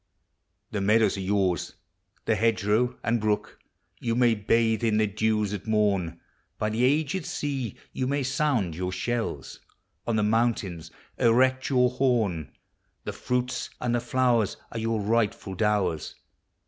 The meadows are yours, the hedgerow and brook. You may bathe in their dews ;it morn J By the aged sea you may sound your shells, On the mountains erect your horn : The fruits and the flowers are your rightful dowers.